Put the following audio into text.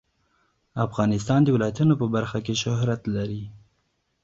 افغانستان د ولایتونو په برخه کې شهرت لري.